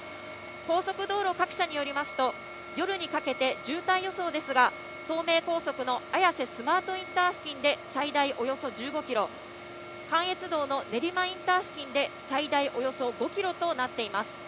高速道路各社によりますと、夜にかけて渋滞予想ですが、東名高速の綾瀬スマートインター付近で最大およそ１５キロ、関越道の練馬インター付近で最大およそ５キロとなっています。